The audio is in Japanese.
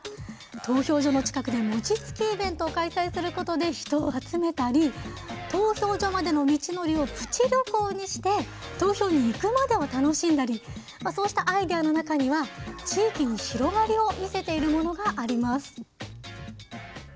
投票所の近くでもちつきイベントを開催することで人を集めたり投票所までの道のりをプチ旅行にして投票に行くまでを楽しんだりそうしたアイデアの中には地域に広がりを見せているものがあります。